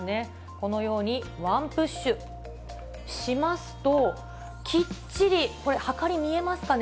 このようにワンプッシュしますと、きっちり、これ、はかり見えますかね。